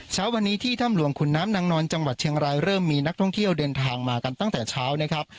เช้าวันนี้ที่ถ้ำหลวงขุนน้ำนางนอนจังหวัดเชียงรายเริ่มมีนักท่องเที่ยวเดินทางมากันตั้งแต่เช้านะครับ